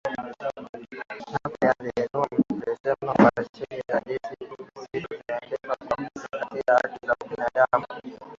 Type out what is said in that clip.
Nape Nnauye amesema operesheni za JeshiUsu zitaendeshwa kwa kuzingatia haki za kibinadamu